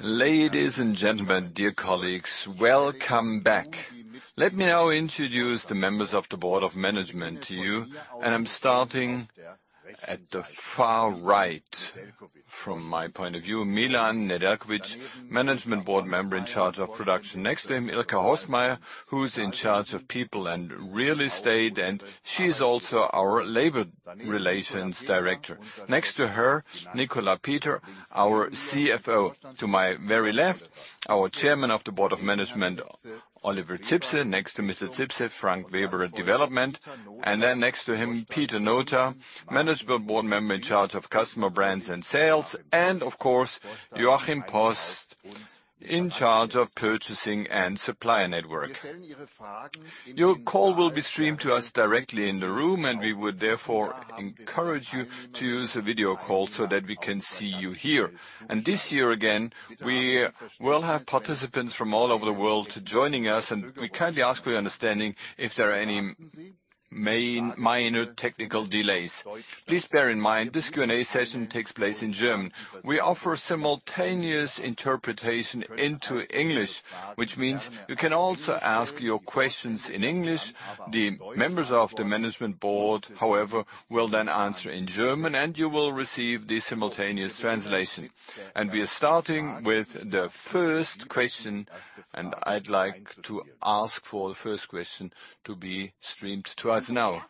Ladies and gentlemen, dear colleagues, welcome back. Let me now introduce the members of the Board of Management to you. I'm starting at the far right from my point of view. Milan Nedeljković, Management Board Member in Charge of Production. Next to him, Ilka Horstmeier, who's in charge of people and real estate. She's also our Labour Relations Director. Next to her, Nicolas Peter, our CFO. To my very left, our Chairman of the Board of Management, Oliver Zipse. Next to Mr. Zipse, Frank Weber, Development. Next to him, Pieter Nota, Management Board Member in charge of Customer, Brands, Sales. Of course, Joachim Post, in charge of Purchasing and Supplier Network. Your call will be streamed to us directly in the room. We would therefore encourage you to use a video call so that we can see you here. This year again, we will have participants from all over the world joining us, and we kindly ask for your understanding if there are any minor technical delays. Please bear in mind, this Q&A session takes place in German. We offer simultaneous interpretation into English, which means you can also ask your questions in English. The members of the management board, however, will then answer in German, and you will receive the simultaneous translation. We are starting with the first question, and I'd like to ask for the first question to be streamed to us now.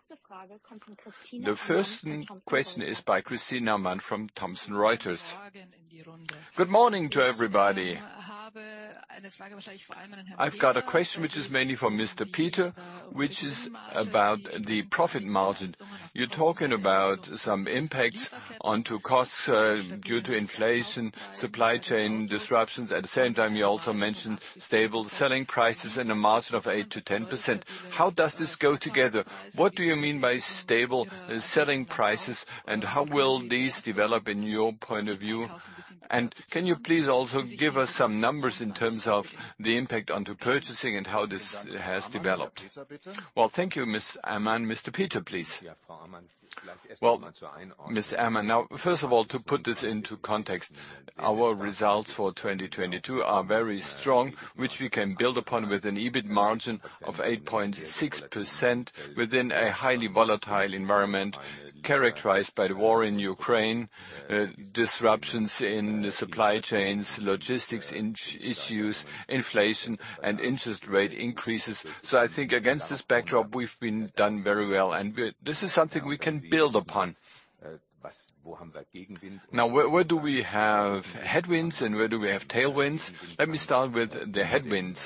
The first question is by Christina Amann from Thomson Reuters. Good morning to everybody. I've got a question which is mainly for Mr. Peter, which is about the profit margin. You're talking about some impact onto costs due to inflation, supply chain disruptions. At the same time, you also mentioned stable selling prices and a margin of 8%-10%. How does this go together? What do you mean by stable selling prices, and how will these develop in your point of view? Can you please also give us some numbers in terms of the impact onto purchasing and how this has developed? Well, thank you, Ms. Ammann. Mr. Peter, please. Well, Ms. Ammann, now, first of all, to put this into context, our results for 2022 are very strong, which we can build upon with an EBIT margin of 8.6% within a highly volatile environment characterized by the war in Ukraine, disruptions in the supply chains, logistics issues, inflation, and interest rate increases. I think against this backdrop, we've done very well, and this is something we can build upon. Where do we have headwinds and where do we have tailwinds? Let me start with the headwinds.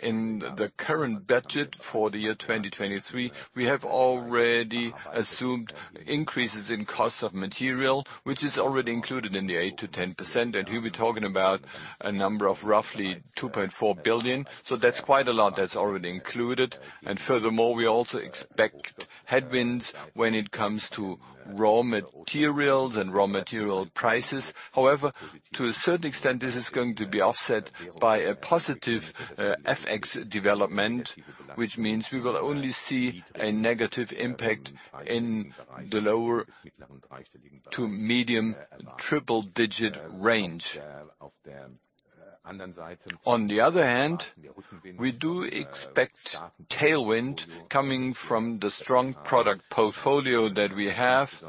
In the current budget for the year 2023, we have already assumed increases in cost of material, which is already included in the 8%-10%, here we're talking about a number of roughly 2.4 billion. That's quite a lot that's already included. Furthermore, we also expect headwinds when it comes to raw materials and raw material prices. However, to a certain extent, this is going to be offset by a positive FX development, which means we will only see a negative impact in the lower to medium triple-digit range. On the other hand, we do expect tailwind coming from the strong product portfolio that we have,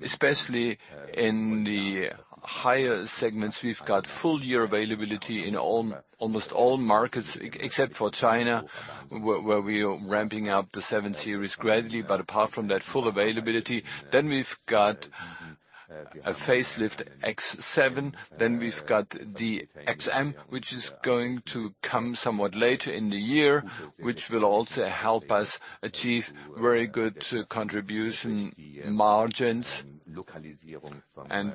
especially in the higher segments, we've got full year availability in almost all markets, except for China, where we are ramping up the 7 Series gradually. Apart from that, full availability. We've got a facelift X7, we've got the XM, which is going to come somewhat later in the year, which will also help us achieve very good contribution margins.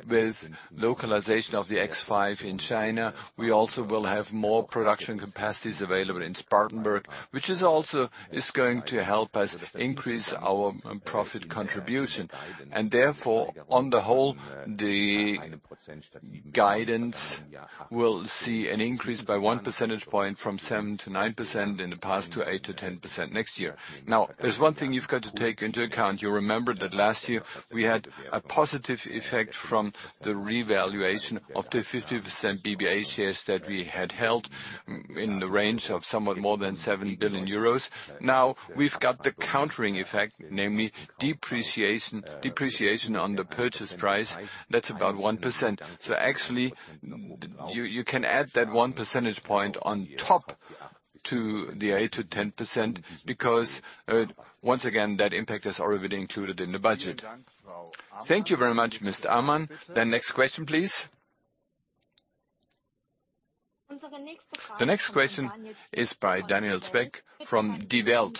With localization of the X5 in China, we also will have more production capacities available in Spartanburg, which is also going to help us increase our profit contribution. Therefore, on the whole, the guidance will see an increase by 1 percentage point from 7%-9% in the past to 8%-10% next year. There's one thing you've got to take into account. You remember that last year we had a positive effect from the revaluation of the 50% BBA shares that we had held in the range of somewhat more than 7 billion euros. We've got the countering effect, namely depreciation on the purchase price, that's about 1%. Actually, you can add that one percentage point on top to the 8%-10% because once again, that impact is already included in the budget. Thank you very much, Ms. Amann. The next question, please. The next question is by Daniel Zwick from Die Welt.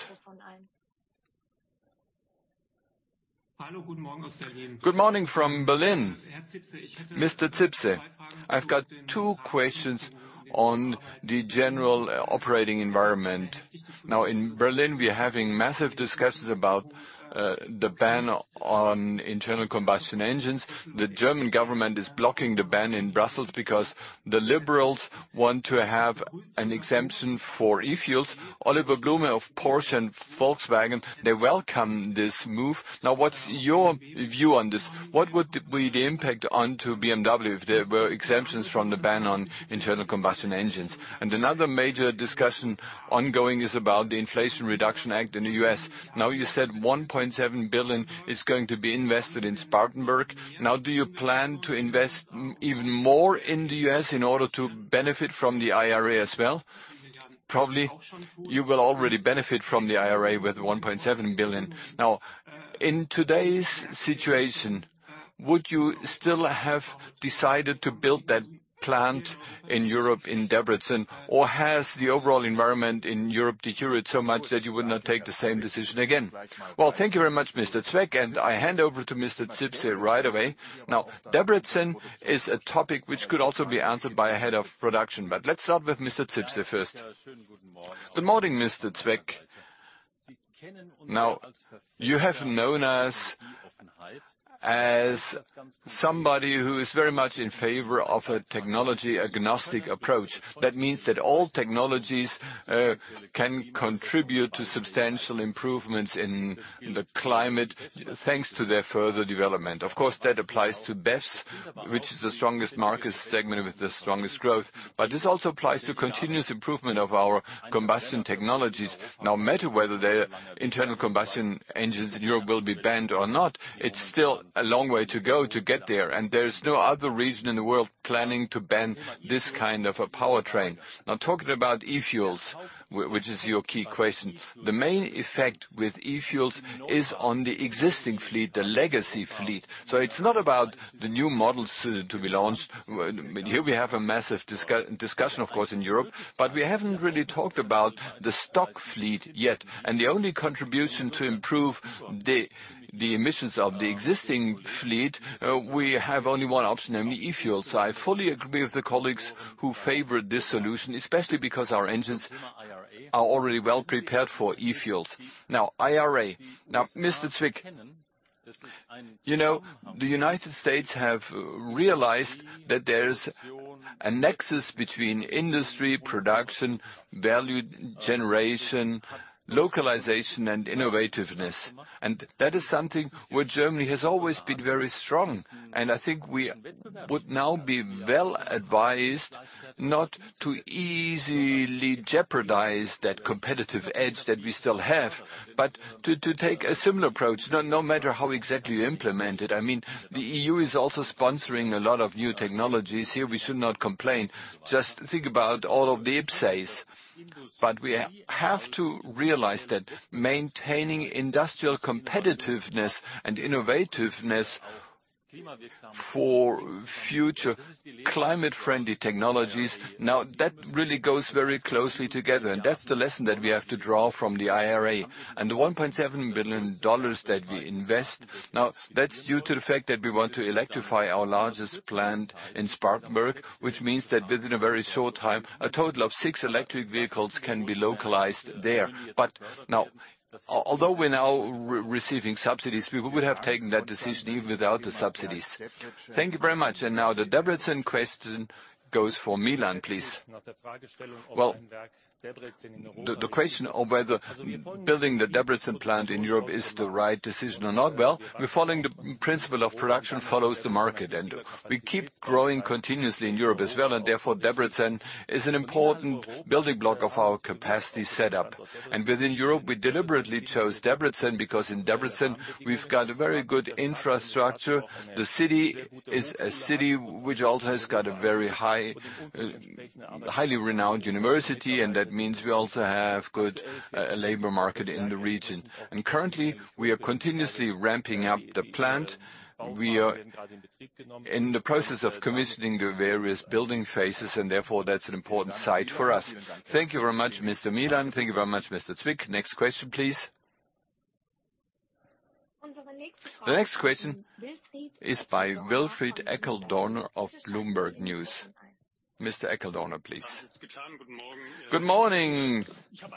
Good morning from Berlin. Mr. Zipse, I've got two questions on the general operating environment. In Berlin, we are having massive discussions about the ban on internal combustion engines. The German government is blocking the ban in Brussels because the liberals want to have an exemption for e-fuels. Oliver Blume of Porsche and Volkswagen, they welcome this move. What's your view on this? What would be the impact onto BMW if there were exemptions from the ban on internal combustion engines? Another major discussion ongoing is about the Inflation Reduction Act in the U.S. You said $1.7 billion is going to be invested in Spartanburg. Do you plan to invest even more in the U.S. in order to benefit from the IRA as well? Probably you will already benefit from the IRA with $1.7 billion. In today's situation, would you still have decided to build that plant in Europe, in Debrecen, or has the overall environment in Europe deteriorated so much that you would not take the same decision again? Well, thank you very much, Mr. Zwick, and I hand over to Mr. Zipse right away. Debrecen is a topic which could also be answered by a head of production, but let's start with Mr. Zipse first. Good morning, Mr. Zwick. You have known us as somebody who is very much in favor of a technology agnostic approach. That means that all technologies can contribute to substantial improvements in the climate, thanks to their further development. Of course, that applies to BEVs, which is the strongest market segment with the strongest growth. This also applies to continuous improvement of our combustion technologies, no matter whether the internal combustion engines in Europe will be banned or not, it's still a long way to go to get there, and there is no other region in the world planning to ban this kind of a powertrain. Talking about e-fuels, which is your key question, the main effect with e-fuels is on the existing fleet, the legacy fleet. It's not about the new models to be launched. Here we have a massive discussion, of course, in Europe, but we haven't really talked about the stock fleet yet. The only contribution to improve the emissions of the existing fleet, we have only one option, namely e-fuels. I fully agree with the colleagues who favor this solution, especially because our engines are already well prepared for e-fuels. IRA. Mr. Zwick, the United States have realized that there is a nexus between industry, production, value generation, localization, and innovativeness. That is something where Germany has always been very strong, and I think we would now be well advised not to easily jeopardize that competitive edge that we still have, but to take a similar approach, no matter how exactly you implement it. I mean, the EU is also sponsoring a lot of new technologies. Here we should not complain. Just think about all of the IPCEIs. We have to realize that maintaining industrial competitiveness and innovativeness for future climate-friendly technologies, now, that really goes very closely together, and that's the lesson that we have to draw from the IRA. The $1.7 billion that we invest. That's due to the fact that we want to electrify our largest plant in Spartanburg, which means that within a very short time, a total of six electric vehicles can be localized there. Now, although we're now receiving subsidies, we would have taken that decision even without the subsidies. Thank you very much. Now the Debrecen question goes for Milan, please. Well, the question of whether building the Debrecen plant in Europe is the right decision or not. Well, we're following the principle of production follows the market, and we keep growing continuously in Europe as well, and therefore, Debrecen is an important building block of our capacity setup. Within Europe, we deliberately chose Debrecen because in Debrecen we've got a very good infrastructure. The city is a city which also has got a very high, highly renowned university, that means we also have good labor market in the region. Currently, we are continuously ramping up the plant. We are in the process of commissioning the various building phases, and therefore that's an important site for us. Thank you very much, Mr. Milan. Thank you very much, Mr. Zwick. Next question, please. The next question is by Wilfried Eckl-Dorna of Bloomberg News. Mr. Eckl-Dorna, please. Good morning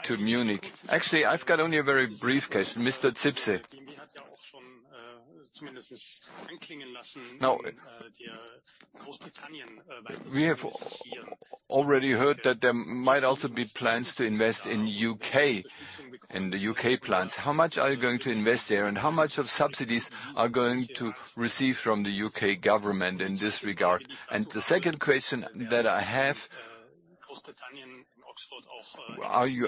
to Munich. Actually, I've got only a very brief question. Mr. Zipse. Now, we have already heard that there might also be plans to invest in U.K, in the U.K. plants. How much are you going to invest there, and how much of subsidies are going to receive from the U.K. government in this regard? The second question that I have, are you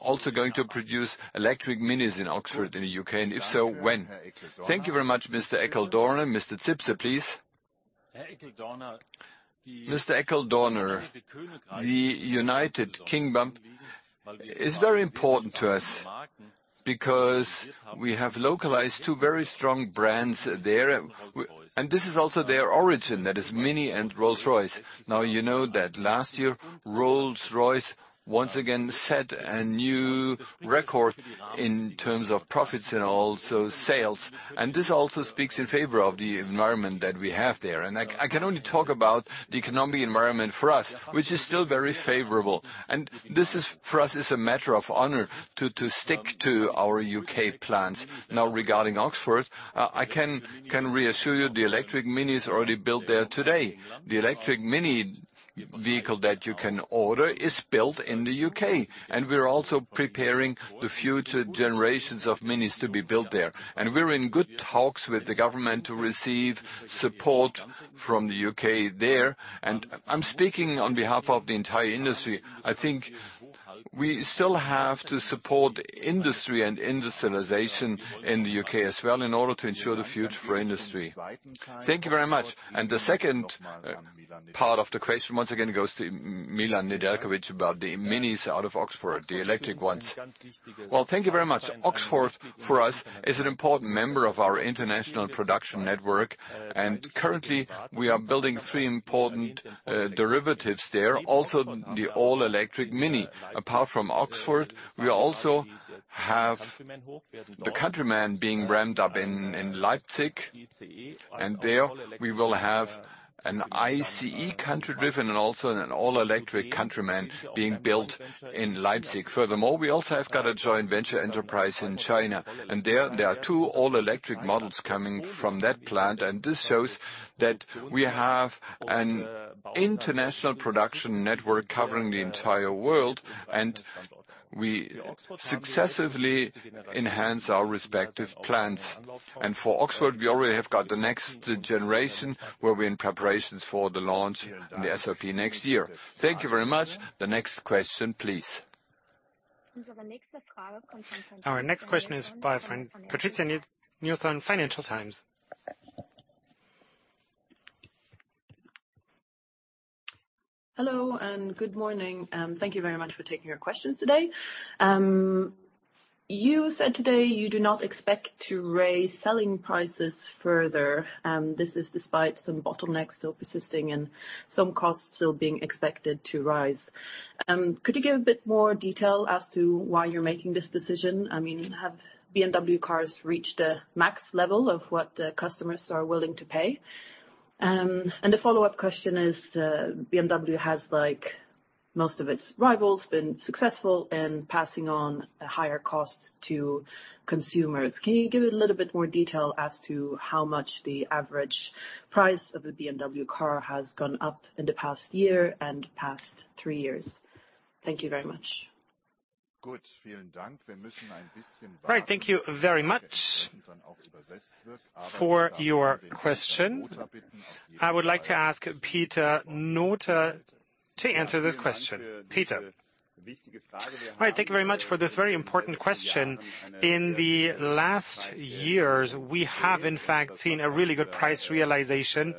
also going to produce electric MINIs in Oxford, in the U.K., and if so, when? Thank you very much, Mr. Eckl-Dorna. Mr. Zipse, please. Mr. Eckel-Dorna, the United Kingdom is very important to us because we have localized two very strong brands there, and this is also their origin, that is MINI and Rolls-Royce. You know that last year, Rolls-Royce once again set a new record in terms of profits and also sales, and this also speaks in favor of the environment that we have there. I can only talk about the economic environment for us, which is still very favorable. This is, for us, is a matter of honor to stick to our U.K. plans. Regarding Oxford, I can reassure you the electric MINI is already built there today. The electric MINI vehicle that you can order is built in the U.K. We're also preparing the future generations of MINIs to be built there. We're in good talks with the government to receive support from the U.K. there. I'm speaking on behalf of the entire industry. I think we still have to support industry and industrialization in the U.K. as well, in order to ensure the future for industry. Thank you very much. The second part of the question, once again, goes to Milan Nedeljković about the MINIs out of Oxford, the electric ones. Well, thank you very much. Oxford, for us, is an important member of our international production network. Currently we are building three important derivatives there, also the all-electric MINI. Apart from Oxford, we also have the Countryman being ramped up in Leipzig. There we will have an ICE Country driven and also an all-electric Countryman being built in Leipzig. Furthermore, we also have got a joint venture enterprise in China. There, there are two all-electric models coming from that plant. This shows that we have an international production network covering the entire world. We successively enhance our respective plans. For Oxford, we already have got the next generation where we're in preparations for the launch in the SFP next year. Thank you very much. The next question, please. Our next question is by Patricia Nilsson, Financial Times. Hello, and good morning. Thank you very much for taking our questions today. You said today you do not expect to raise selling prices further. This is despite some bottlenecks still persisting and some costs still being expected to rise. Could you give a bit more detail as to why you're making this decision? I mean, have BMW cars reached a max level of what customers are willing to pay? The follow-up question is, BMW has, like most of its rivals, been successful in passing on higher costs to consumers. Can you give a little bit more detail as to how much the average price of a BMW car has gone up in the past year and past three years? Thank you very much. Right. Thank you very much for your question. I would like to ask Pieter Nota to answer this question. Pieter? Right. Thank you very much for this very important question. In the last years, we have, in fact, seen a really good price realization,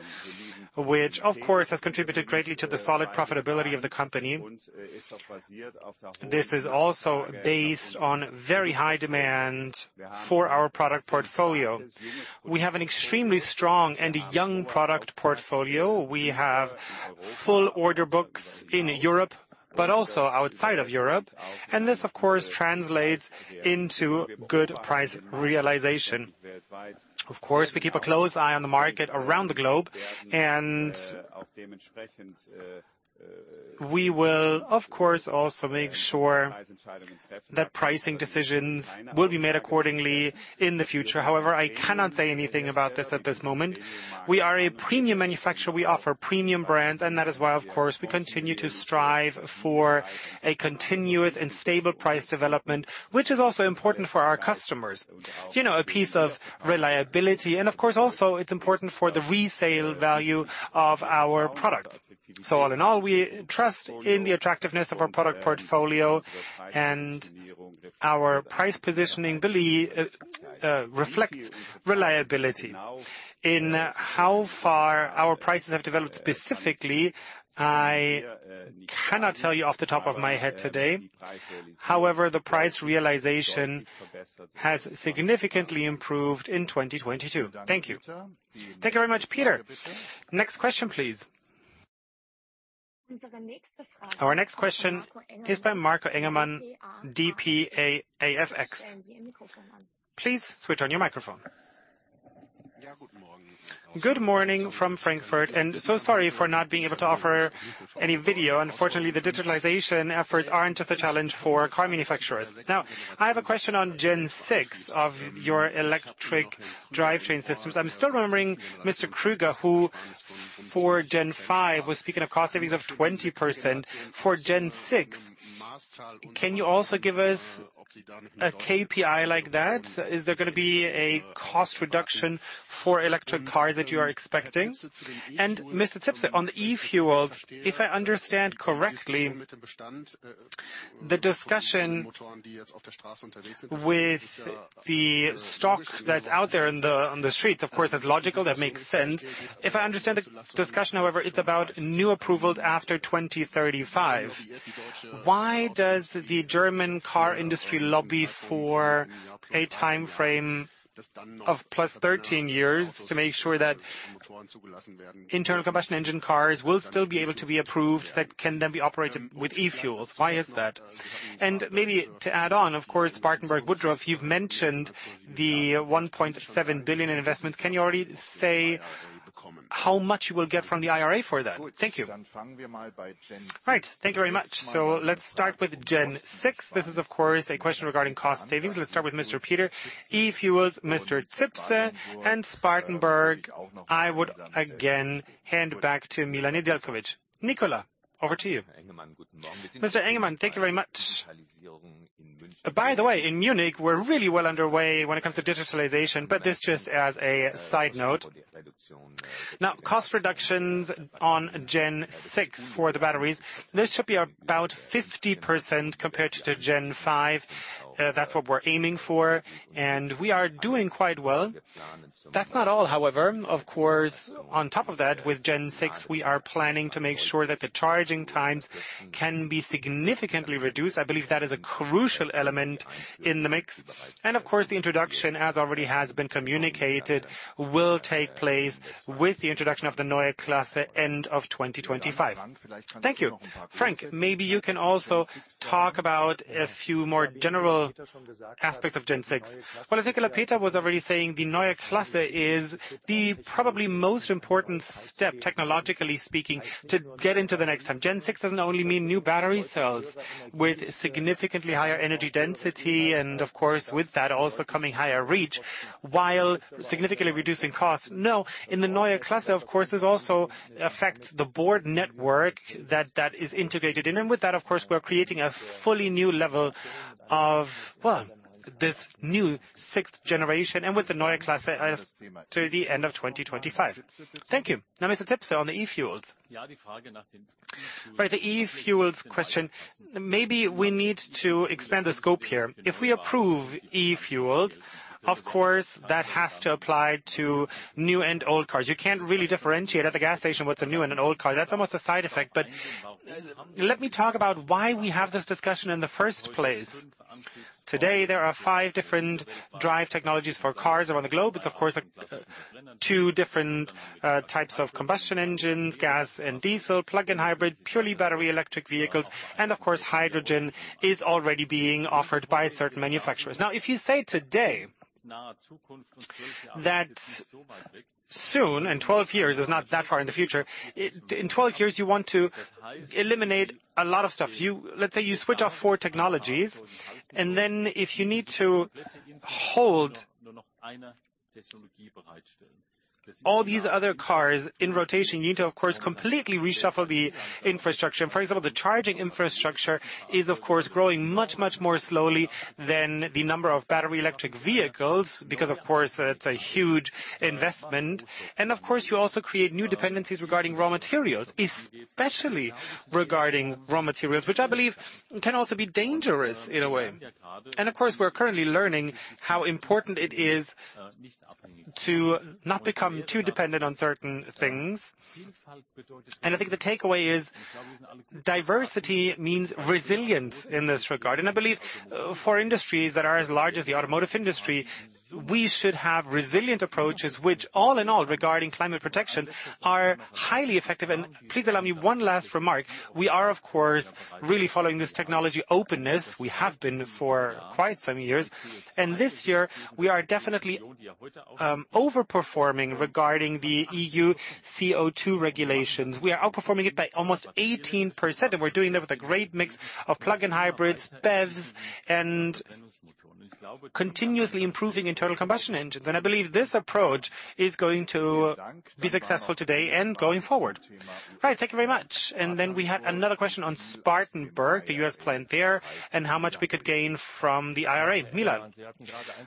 which, of course, has contributed greatly to the solid profitability of the company. This is also based on very high demand for our product portfolio. We have an extremely strong and young product portfolio. We have full order books in Europe, but also outside of Europe, and this, of course, translates into good price realization. Of course, we keep a close eye on the market around the globe, and we will, of course, also make sure that pricing decisions will be made accordingly in the future. However, I cannot say anything about this at this moment. We are a premium manufacturer. We offer premium brands, and that is why, of course, we continue to strive for a continuous and stable price development, which is also important for our customers. A piece of reliability, and of course also it's important for the resale value of our product. All in all, we trust in the attractiveness of our product portfolio and our price positioning reflects reliability. In how far our prices have developed specifically, I cannot tell you off the top of my head today. However, the price realization has significantly improved in 2022. Thank you. Thank you very much, Pieter. Next question, please. Our next question is by Marco Engemann, dpa-AFX. Please switch on your microphone. Good morning from Frankfurt. Sorry for not being able to offer any video. Unfortunately, the digitalization efforts aren't just a challenge for car manufacturers. I have a question on Gen6 of your electric drivetrain systems. I'm still remembering Mr. Krüger, who, for Gen5, was speaking of cost savings of 20%. For Gen6, can you also give us a KPI like that? Is there gonna be a cost reduction for electric cars that you are expecting? Mr. Zipse, on the e-fuels, if I understand correctly, the discussion with the stock that's out there on the streets, of course, that's logical, that makes sense. If I understand the discussion, however, it's about new approvals after 2035. Why does the German car industry lobby for a timeframe of plus 13 years to make sure that internal combustion engine cars will still be able to be approved that can then be operated with e-fuels? Why is that? Maybe to add on, of course, Spartanburg Woodruff, you've mentioned the $1.7 billion in investment. Can you already say how much you will get from the IRA for that? Thank you. Let's start with Gen6. This is, of course, a question regarding cost savings. Let's start with Mr. Peter. E-fuels, Mr. Zipse. Spartanburg, I would again hand back to Milan Nedeljković. Nicolas, over to you. Mr. Engemann, thank you very much. In Munich, we're really well underway when it comes to digitalization, but this just as a side note. Cost reductions on Gen6 for the batteries, this should be about 50% compared to Gen5. That's what we're aiming for, and we are doing quite well. That's not all, however. Of course, on top of that, with Gen6, we are planning to make sure that the charging times can be significantly reduced. I believe that is a crucial element in the mix. Of course, the introduction, as already has been communicated, will take place with the introduction of the Neue Klasse end of 2025. Thank you. Frank, maybe you can also talk about a few more general aspects of Gen6. I think Nicolas Peter was already saying the Neue Klasse is the probably most important step, technologically speaking, to get into the next time. Gen6 doesn't only mean new battery cells with significantly higher energy density and of course, with that also coming higher reach while significantly reducing costs. In the Neue Klasse, of course, this also affects the board network that is integrated in. With that, of course, we're creating a fully new level of, well, this new sixth generation and with the Neue Klasse to the end of 2025. Thank you. Mr. Zipse, on the e-fuels. The e-fuels question, maybe we need to expand the scope here. If we approve e-fuels, of course, that has to apply to new and old cars. You can't really differentiate at the gas station what's a new and an old car. That's almost a side effect. Let me talk about why we have this discussion in the first place. Today, there are five different drive technologies for cars around the globe. It's of course, two different types of combustion engines, gas and diesel, plug-in hybrid, purely battery electric vehicles, and of course, hydrogen is already being offered by certain manufacturers. If you say today that soon, 12 years is not that far in the future, in 12 years you want to eliminate a lot of stuff. Let's say you switch off four technologies. If you need to hold all these other cars in rotation, you need to, of course, completely reshuffle the infrastructure. For example, the charging infrastructure is, of course, growing much, much more slowly than the number of battery electric vehicles, because of course, that's a huge investment. Of course, you also create new dependencies regarding raw materials, especially regarding raw materials, which I believe can also be dangerous in a way. Of course, we're currently learning how important it is to not become too dependent on certain things. I think the takeaway is diversity means resilience in this regard. I believe for industries that are as large as the automotive industry, we should have resilient approaches, which all in all, regarding climate protection, are highly effective. Please allow me one last remark. We are, of course, really following this technology openness. We have been for quite some years. This year, we are definitely overperforming regarding the EU CO2 regulations. We are outperforming it by almost 18%, and we're doing that with a great mix of plug-in hybrids, BEVs, and continuously improving internal combustion engines. I believe this approach is going to be successful today and going forward. Thank you very much. We had another question on Spartanburg, the U.S. plant there, and how much we could gain from the IRA. Milan.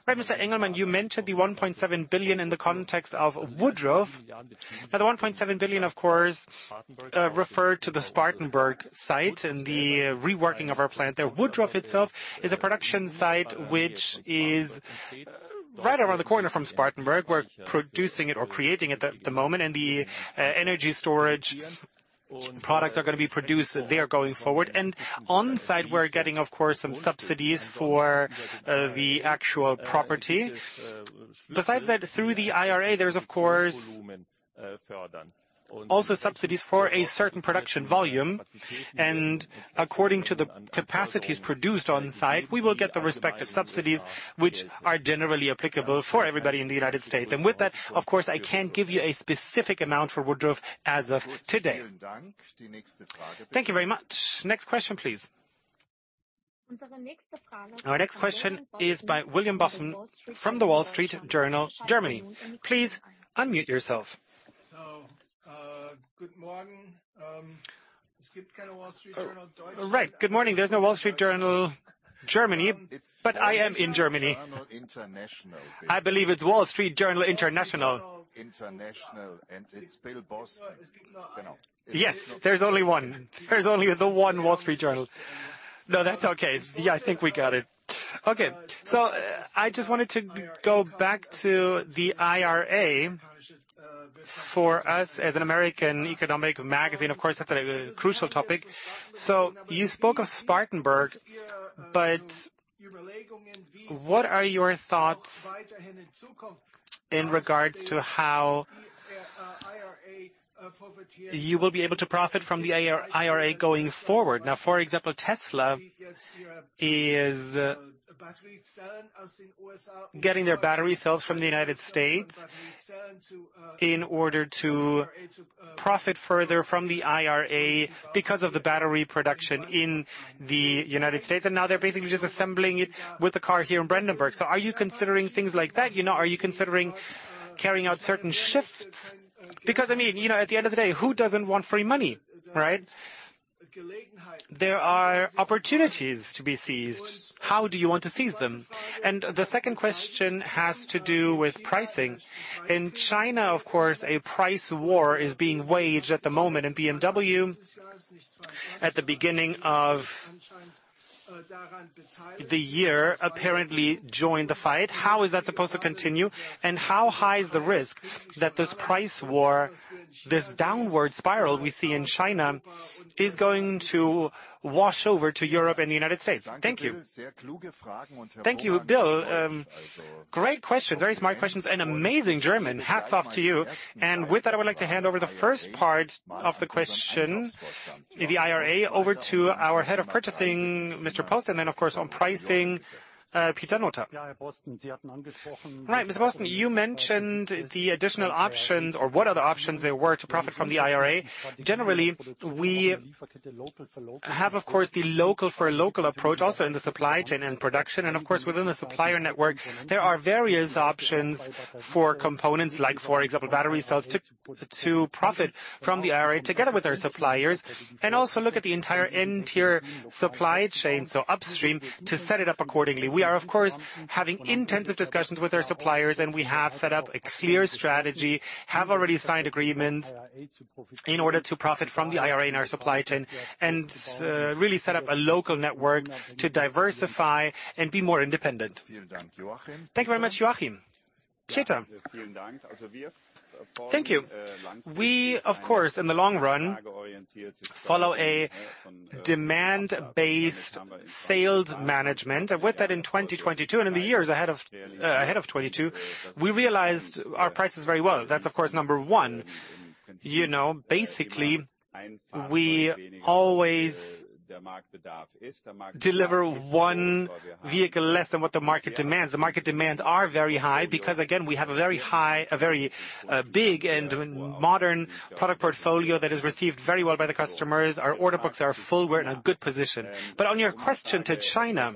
Right, Mr. Engermann, you mentioned the $1.7 billion in the context of Woodruff. The $1.7 billion, of course, referred to the Spartanburg site and the reworking of our plant there. Woodruff itself is a production site, which is right around the corner from Spartanburg. We're producing it or creating it at the moment, and the energy storage products are gonna be produced there going forward. On-site, we're getting, of course, some subsidies for the actual property. Besides that, through the IRA, there's, of course, also subsidies for a certain production volume. According to the capacities produced on-site, we will get the respective subsidies, which are generally applicable for everybody in the United States. With that, of course, I can't give you a specific amount for Woodruff as of today. Thank you very much. Next question, please. Our next question is by William Boston from The Wall Street Journal, Germany. Please unmute yourself. Good morning. Right. Good morning. There's no Wall Street Journal Germany, but I am in Germany. It's Wall Street Journal International. I believe it's Wall Street Journal International. International, and it's Bill Boston. Yes, there's only one. There's only the one Wall Street Journal. No, that's okay. Yeah, I think we got it. Okay. I just wanted to go back to the IRA. For us as an American economic magazine, of course, that's a crucial topic. You spoke of Spartanburg, but what are your thoughts in regards to how you will be able to profit from the IRA going forward? Now, for example, Tesla is getting their battery cells from the United States in order to profit further from the IRA because of the battery production in the United States. Now they're basically just assembling it with the car here in Brandenburg. Are you considering things like that? Are you considering carrying out certain shifts? I mean at the end of the day, who doesn't want free money, right? There are opportunities to be seized. How do you want to seize them? The second question has to do with pricing. In China, of course, a price war is being waged at the moment. BMW, at the beginning of the year, apparently joined the fight. How is that supposed to continue? How high is the risk that this price war, this downward spiral we see in China, is going to wash over to Europe and the United States? Thank you. Thank you, Bill. Great question. Very smart questions. Amazing German. Hats off to you. With that, I would like to hand over the first part of the question, the IRA, over to our head of purchasing, Mr. Post, then of course, on pricing, Pieter Nota. Right. Mr. Post, you mentioned the additional options or what other options there were to profit from the IRA. Generally, we have, of course, the local for local approach, also in the supply chain and production, and of course, within the supplier network, there are various options for components like, for example, battery cells to profit from the IRA together with our suppliers, and also look at the entire N-tier supply chain, so upstream, to set it up accordingly. We are of course, having intensive discussions with our suppliers, we have set up a clear strategy, have already signed agreements in order to profit from the IRA in our supply chain, really set up a local network to diversify and be more independent. Thank you very much, Joachim. Pieter. Thank you. We, of course, in the long run, follow a demand-based sales management. With that, in 2022 and in the years ahead of 2022, we realized our prices very well. That's of course number one. Basically, we always deliver one vehicle less than what the market demands. The market demands are very high because again, we have a very high, a very big and modern product portfolio that is received very well by the customers. Our order books are full. We're in a good position. On your question to China,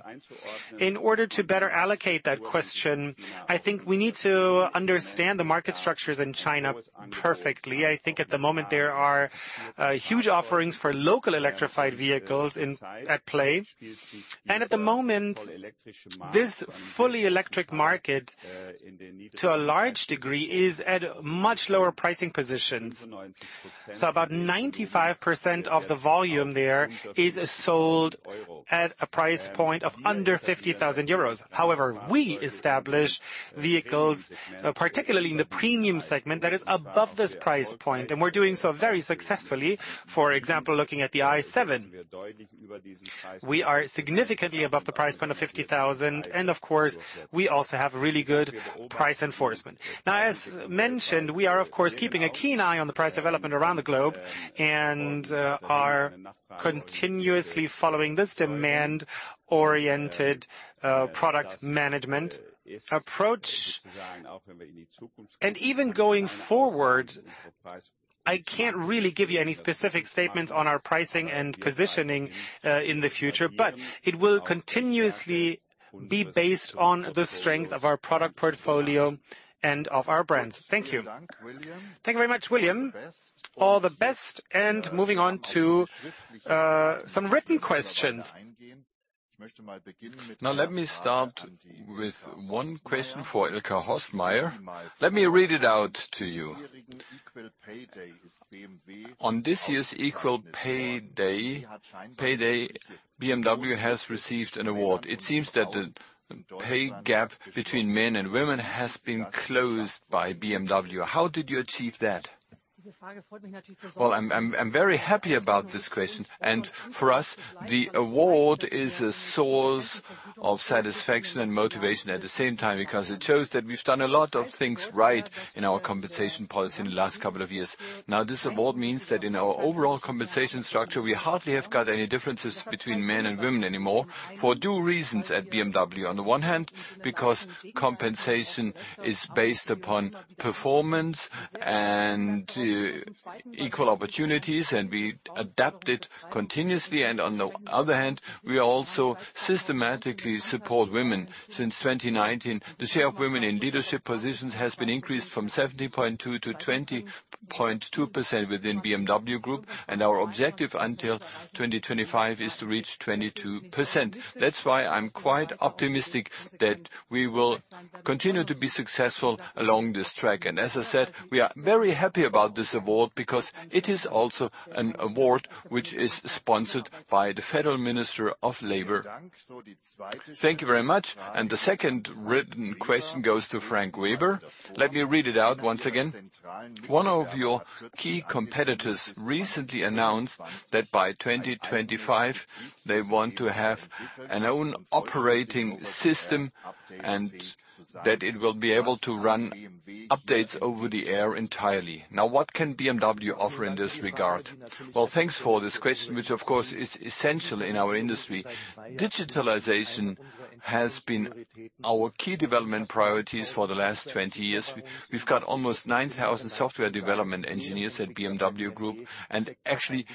in order to better allocate that question, I think we need to understand the market structures in China perfectly. I think at the moment there are huge offerings for local electrified vehicles in, at play. At the moment, this fully electric market, to a large degree, is at much lower pricing positions. About 95% of the volume there is sold at a price point of under 50,000 euros. However, we establish vehicles, particularly in the premium segment that is above this price point, and we're doing so very successfully. For example, looking at the i7. We are significantly above the price point of 50,000, and of course, we also have really good price enforcement. As mentioned, we are of course, keeping a keen eye on the price development around the globe and are continuously following this demand-oriented product management approach. Even going forward, I can't really give you any specific statements on our pricing and positioning in the future, it will continuously be based on the strength of our product portfolio and of our brands. Thank you. Thank you very much, William. All the best. Moving on to some written questions. Now, let me start with one question for Ilka Horstmeier. Let me read it out to you. On this year's Equal Pay Day, BMW has received an award. It seems that the pay gap between men and women has been closed by BMW. How did you achieve that? I'm very happy about this question. For us, the award is a source of satisfaction and motivation at the same time because it shows that we've done a lot of things right in our compensation policy in the last couple of years. This award means that in our overall compensation structure, we hardly have got any differences between men and women anymore for two reasons at BMW. On the one hand, because compensation is based upon performance and equal opportunities. We adapt it continuously. On the other hand, we also systematically support women. Since 2019, the share of women in leadership positions has been increased from 17.2% to 20.2% within BMW Group. Our objective until 2025 is to reach 22%. That's why I'm quite optimistic that we will continue to be successful along this track. As I said, we are very happy about this award because it is also an award which is sponsored by the Federal Minister of Labor. Thank you very much. The second written question goes to Frank Weber. Let me read it out once again. One of your key competitors recently announced that by 2025 they want to have an own operating system. That it will be able to run updates over the air entirely. What can BMW offer in this regard? Thanks for this question, which of course is essential in our industry. Digitalization has been our key development priorities for the last 20 years. We've got almost 9,000 software development engineers at BMW Group. Actually,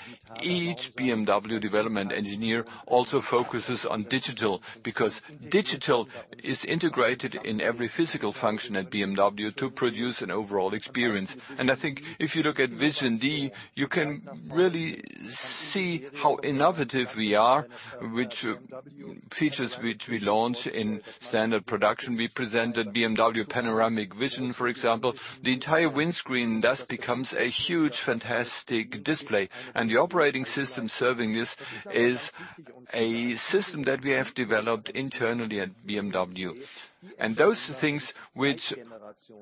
each BMW development engineer also focuses on digital, because digital is integrated in every physical function at BMW to produce an overall experience. I think if you look at Vision Dee, you can really see how innovative we are, which, features which we launch in standard production. We presented BMW Panoramic Vision, for example. The entire windscreen thus becomes a huge, fantastic display. The operating system serving this is a system that we have developed internally at BMW. Those things which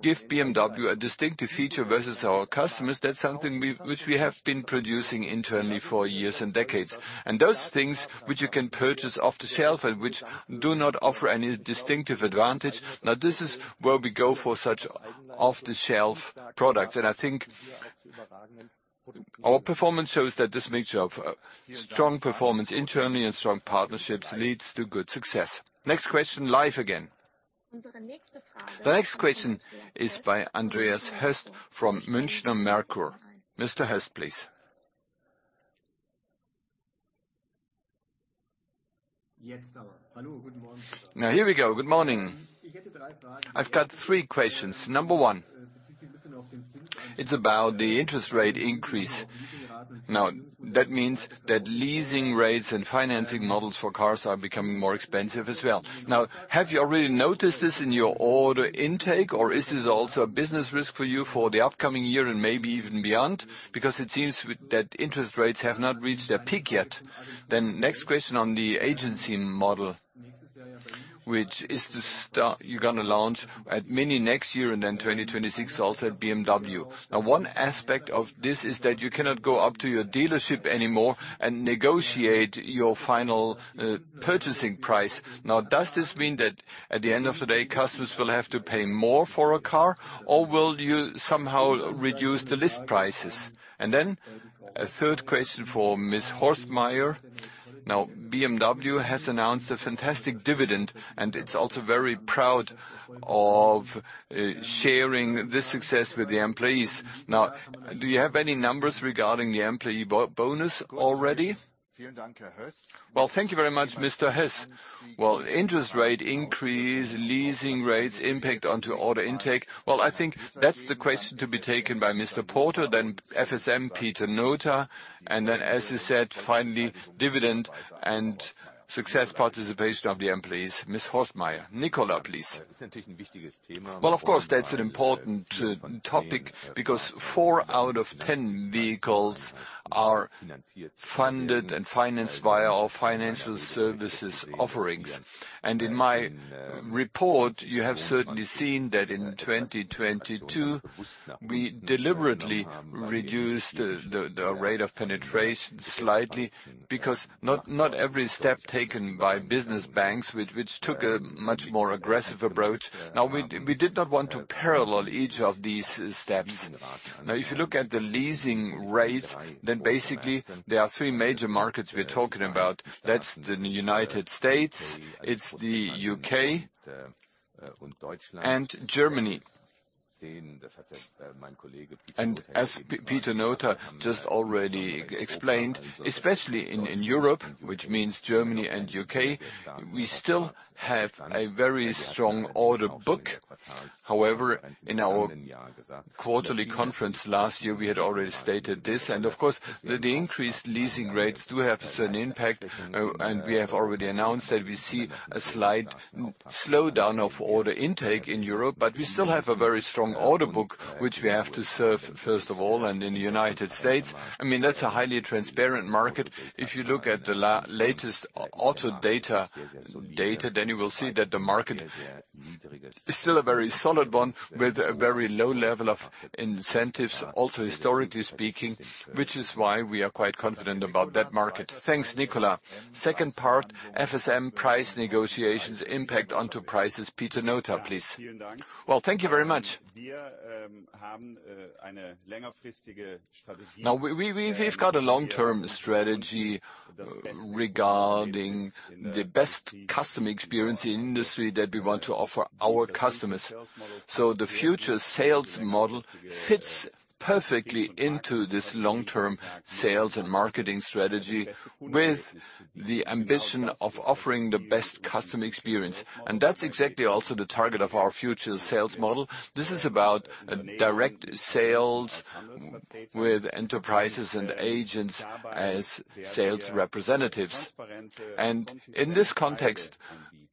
give BMW a distinctive feature versus our customers, that's something which we have been producing internally for years and decades. Those things which you can purchase off the shelf and which do not offer any distinctive advantage, this is where we go for such off-the-shelf products. I think our performance shows that this mixture of strong performance internally and strong partnerships leads to good success. Next question, live again. The next question is by Andreas Höchst from Münchner Merkur. Mr. Höchst, please. Here we go. Good morning. I've got three questions. Number one, it's about the interest rate increase. That means that leasing rates and financing models for cars are becoming more expensive as well. Have you already noticed this in your order intake, or is this also a business risk for you for the upcoming year and maybe even beyond? Because it seems that interest rates have not reached their peak yet. Next question on the agency model, which you're gonna launch at MINI next year and then 2026 also at BMW. One aspect of this is that you cannot go up to your dealership anymore and negotiate your final purchasing price. Does this mean that at the end of the day, customers will have to pay more for a car, or will you somehow reduce the list prices? A third question for Ms. Horstmeier. BMW has announced a fantastic dividend, and it's also very proud of sharing this success with the employees. Now, do you have any numbers regarding the employee bonus already? Well, thank you very much, Mr. Höchst. Well, interest rate increase, leasing rates impact onto order intake. Well, I think that's the question to be taken by Nicols Peter, then FSM, Pieter Nota. As you said, finally, dividend and success participation of the employees. Ms. Horstmeier, Nicolas Peter, please. Well, of course, that's an important topic because four out of 10 vehicles are funded and financed via our financial services offerings. In my report, you have certainly seen that in 2022, we deliberately reduced the rate of penetration slightly because not every step taken by business banks, which took a much more aggressive approach. Now, we did not want to parallel each of these steps. If you look at the leasing rate, basically there are three major markets we're talking about. That's the United States, it's the U.K., and Germany. As Pieter Nota just already explained, especially in Europe, which means Germany and U.K., we still have a very strong order book. However, in our quarterly conference last year, we had already stated this, and of course, the increased leasing rates do have a certain impact. We have already announced that we see a slight slowdown of order intake in Europe, we still have a very strong order book, which we have to serve first of all. In the United States, I mean, that's a highly transparent market. If you look at the latest auto data, you will see that the market is still a very solid one with a very low level of incentives, also historically speaking, which is why we are quite confident about that market. Thanks, Nicola. Second part, FSM price negotiations impact onto prices. Pieter Nota, please. Well, thank you very much. We've got a long-term strategy regarding the best customer experience in industry that we want to offer our customers. The future sales model fits perfectly into this long-term sales and marketing strategy with the ambition of offering the best customer experience. That's exactly also the target of our future sales model. This is about direct sales with enterprises and agents as sales representatives. In this context,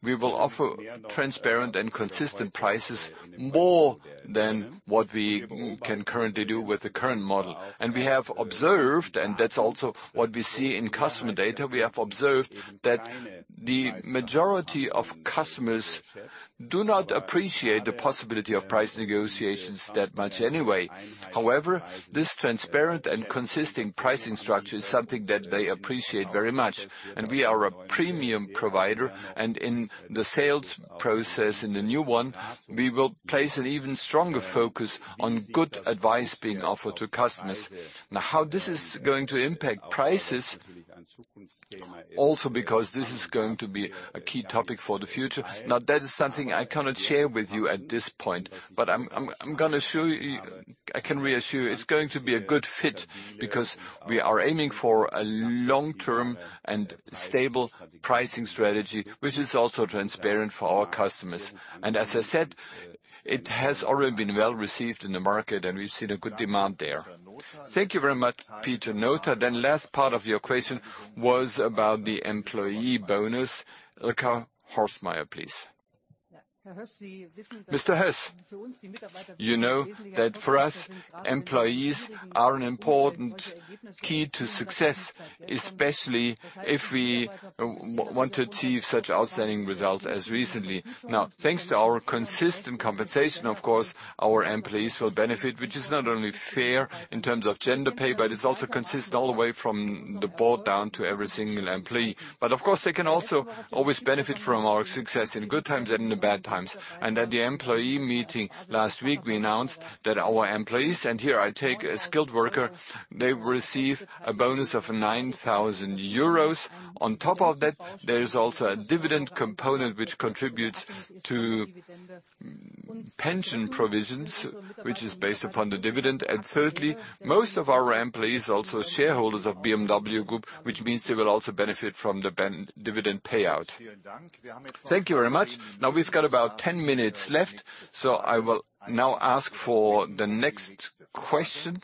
we will offer transparent and consistent prices more than what we can currently do with the current model. We have observed, and that's also what we see in customer data. We have observed that the majority of customers do not appreciate the possibility of price negotiations that much anyway. However, this transparent and consistent pricing structure is something that they appreciate very much. We are a premium provider, and in the sales process, in the new one, we will place an even stronger focus on good advice being offered to customers. How this is going to impact prices, also because this is going to be a key topic for the future. That is something I cannot share with you at this point, but I'm gonna assure you, I can reassure you it's going to be a good fit because we are aiming for a long-term and stable pricing strategy, which is also transparent for our customers. As I said, it has already been well-received in the market, and we've seen a good demand there. Thank you very much, Pieter Nota. Last part of your question was about the employee bonus. Ilka Horstmeier, please. Mr. Höchst, you know that for us, employees are an important key to success, especially if we want to achieve such outstanding results as recently. Thanks to our consistent compensation, of course, our employees will benefit, which is not only fair in terms of gender pay, it also consists all the way from the board down to every single employee. Of course, they can also always benefit from our success in good times and in the bad times. At the employee meeting last week, we announced that our employees, and here I take a skilled worker, they receive a bonus of 9,000 euros. On top of that, there is also a dividend component which contributes to pension provisions, which is based upon the dividend. Thirdly, most of our employees are also shareholders of BMW Group, which means they will also benefit from the dividend payout. Thank you very much. Now, we've got about 10 minutes left, so I will now ask for the next question.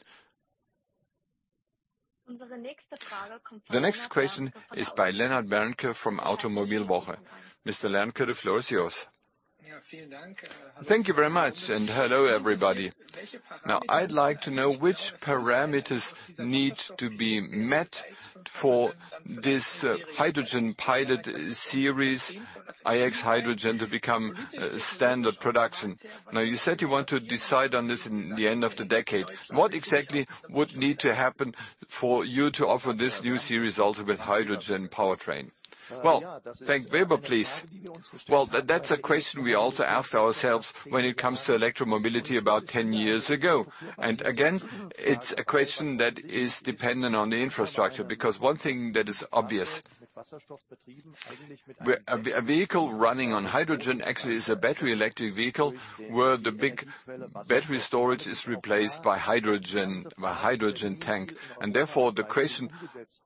The next question is by Lennart Wermke from Automobilwoche. Mr. Berkenhoff, the floor is yours. Thank you very much. Hello, everybody. Now, I'd like to know which parameters need to be met for this hydrogen pilot series iX Hydrogen to become standard production. Now, you said you want to decide on this in the end of the decade. What exactly would need to happen for you to offer this new series also with hydrogen powertrain? Well, Frank Weber, please. Well, that's a question we also asked ourselves when it comes to electromobility about 10 years ago. Again, it's a question that is dependent on the infrastructure, because one thing that is obvious, a vehicle running on hydrogen actually is a battery electric vehicle, where the big battery storage is replaced by hydrogen tank. Therefore, the question,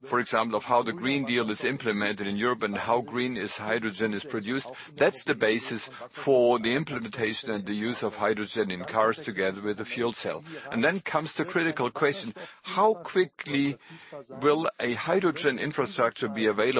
for example, of how the Green Deal is implemented in Europe and how green is hydrogen is produced, that's the basis for the implementation and the use of hydrogen in cars together with the fuel cell. Then comes the critical question: How quickly will a hydrogen infrastructure be available?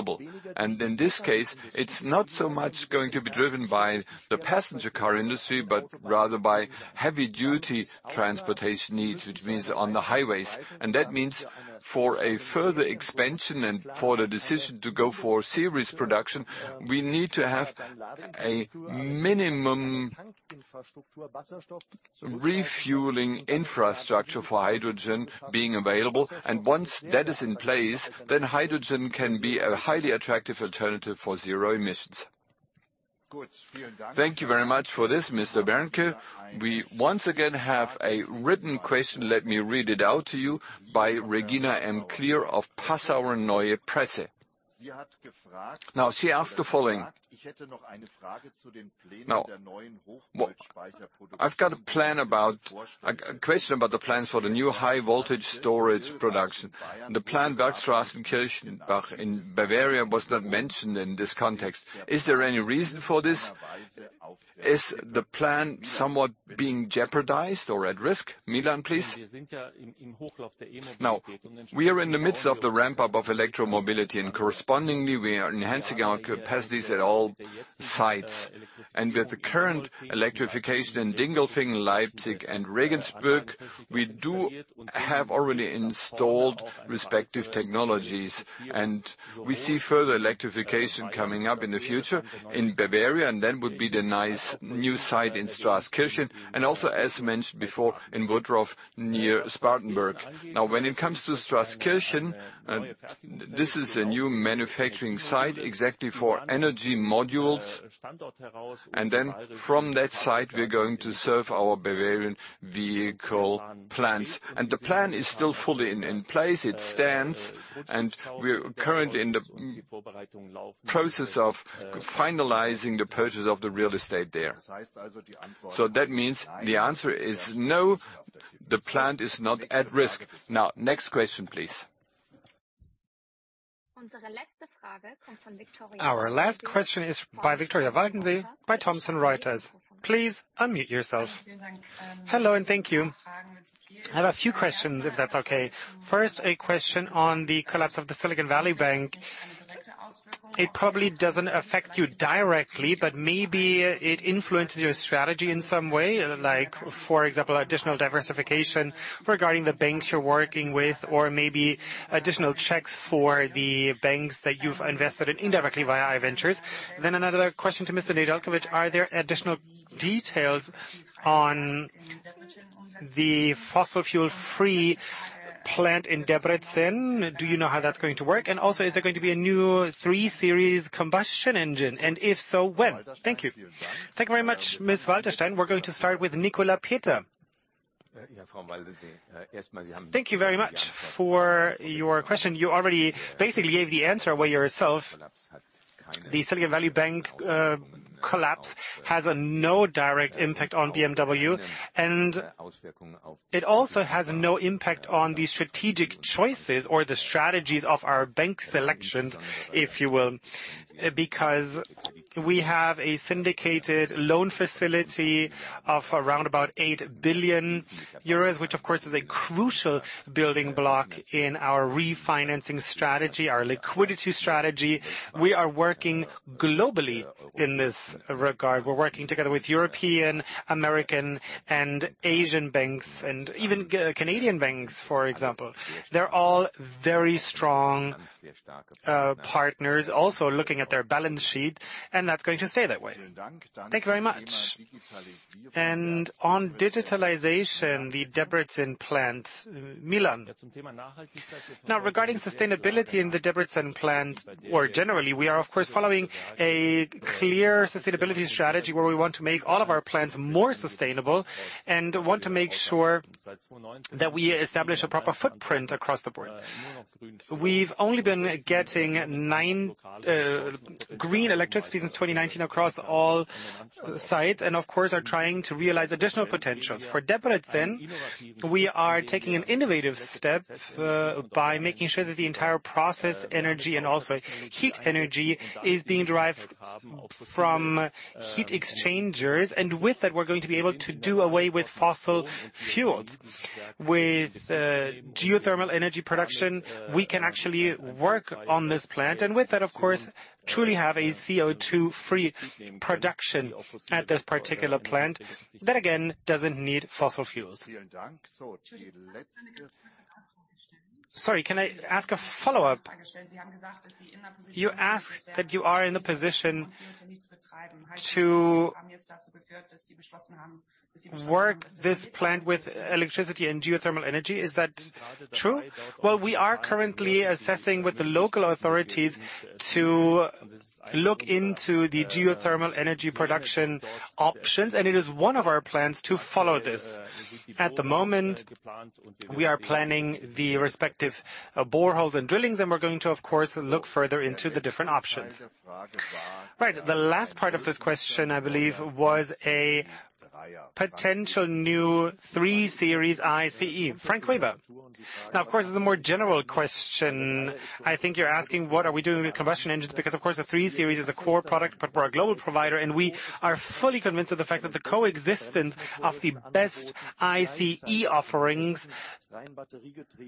In this case, it's not so much going to be driven by the passenger car industry, but rather by heavy-duty transportation needs, which means on the highways. That means for a further expansion and for the decision to go for series production, we need to have a minimum refueling infrastructure for hydrogen being available. Once that is in place, then hydrogen can be a highly attractive alternative for zero emissions. Thank you very much for this, Mr. Wermke. We once again have a written question, let me read it out to you, by Regina Pöll of Passauer Neue Presse. She asked the following. I've got a question about the plans for the new high voltage storage production. The plant Straßkirchen in Bavaria was not mentioned in this context. Is there any reason for this? Is the plan somewhat being jeopardized or at risk? Milan, please. We are in the midst of the ramp-up of electromobility, correspondingly, we are enhancing our capacities at all sites. With the current electrification in Dingolfing, Leipzig, and Regensburg, we do have already installed respective technologies. We see further electrification coming up in the future in Bavaria, that would be the nice new site in Straßkirchen, also, as mentioned before, in Woodruff, near Spartanburg. When it comes to Straßkirchen, this is a new manufacturing site exactly for energy modules. From that site, we're going to serve our Bavarian vehicle plants. The plan is still fully in place. It stands, and we're currently in the process of finalizing the purchase of the real estate there. That means the answer is no, the plant is not at risk. Next question, please. Our last question is by Victoria Waldersee by Thomson Reuters. Please unmute yourself. Hello, thank you. I have a few questions, if that's okay. First, a question on the collapse of the Silicon Valley Bank. It probably doesn't affect you directly, but maybe it influences your strategy in some way. Like, for example, additional diversification regarding the banks you're working with or maybe additional checks for the banks that you've invested in indirectly via i Ventures. Another question to Mr. Nedeljković. Are there additional details on the fossil fuel-free plant in Debrecen, do you know how that's going to work? Also, is there going to be a new 3 Series combustion engine? If so, when? Thank you. Thank you very much, Ms. Waldersee. We're going to start with Nicolas Peter. Thank you very much for your question. You already basically gave the answer away yourself. The Silicon Valley Bank collapse has no direct impact on BMW, and it also has no impact on the strategic choices or the strategies of our bank selections, if you will, because we have a syndicated loan facility of around about 8 billion euros, which of course, is a crucial building block in our refinancing strategy, our liquidity strategy. We are working globally in this regard. We're working together with European, American, and Asian banks and even Canadian banks, for example. They're all very strong partners also looking at their balance sheet, and that's going to stay that way. Thank you very much. On digitalization, the Debrecen plant, Milan. Now, regarding sustainability in the Debrecen plant or generally, we are of course following a clear sustainability strategy where we want to make all of our plans more sustainable and want to make sure that we establish a proper footprint across the board. We've only been getting nine, green electricity since 2019 across all sites, and of course, are trying to realize additional potentials. For Debrecen, we are taking an innovative step, by making sure that the entire process energy and also heat energy is being derived from heat exchangers. With that, we're going to be able to do away with fossil fuels. With, geothermal energy production, we can actually work on this plant, and with that, of course, truly have a CO2-free production at this particular plant that, again, doesn't need fossil fuels. Sorry, can I ask a follow-up? You asked that you are in the position to work this plant with electricity and geothermal energy. Is that true? Well, we are currently assessing with the local authorities to look into the geothermal energy production options, and it is one of our plans to follow this. At the moment, we are planning the respective boreholes and drillings, and we're going to, of course, look further into the different options. Right. The last part of this question, I believe, was a potential new 3 Series ICE. Frank Weber. Of course, it's a more general question. I think you're asking what are we doing with combustion engines because of course, the 3 Series is a core product, but we're a global provider, and we are fully convinced of the fact that the coexistence of the best ICE offerings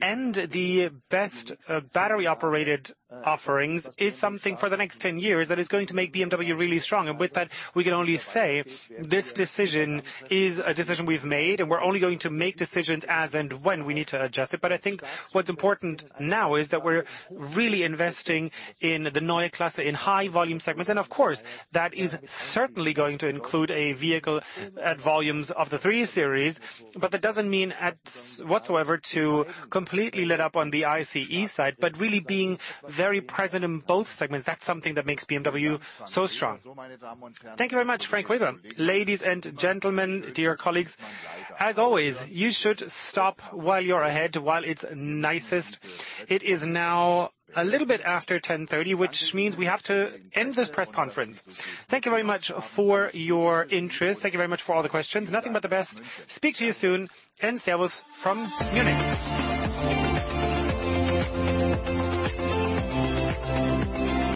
and the best battery-operated offerings is something for the next 10 years that is going to make BMW really strong. With that, we can only say this decision is a decision we've made, and we're only going to make decisions as and when we need to adjust it. I think what's important now is that we're really investing in the Neue Klasse in high volume segments. Of course, that is certainly going to include a vehicle at volumes of the 3 Series. That doesn't mean at whatsoever to completely let up on the ICE side, but really being very present in both segments. That's something that makes BMW so strong. Thank you very much, Frank Weber. Ladies and gentlemen, dear colleagues, as always, you should stop while you're ahead while it's nicest. It is now a little bit after 10:30 A.M., which means we have to end this press conference. Thank you very much for your interest. Thank you very much for all the questions. Nothing but the best. Speak to you soon. En service from Munich.